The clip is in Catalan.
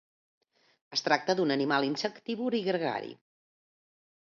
Es tracta d'un animal insectívor i gregari.